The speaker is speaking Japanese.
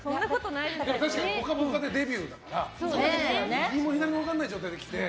でも、確かに「ぽかぽか」でデビューだから右も左も分からない状態で来て。